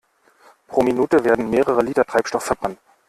Pro Minute werden mehrere Liter Treibstoff verbrannt.